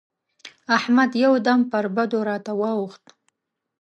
احمد يو دم پر بدو راته واووښت.